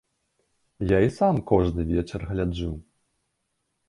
Я і сам кожны вечар гляджу.